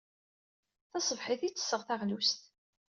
Taṣebḥit ay ttesseɣ taɣlust.